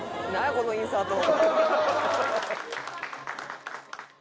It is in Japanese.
このインサート」